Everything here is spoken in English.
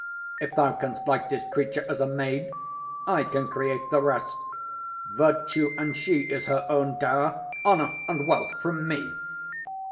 If thou canst like this creature as a maid, I can create the rest. Virtue and she Is her own dower; honour and wealth from me.